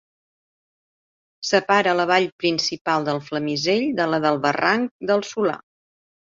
Separa la vall principal del Flamisell de la del barranc del Solà.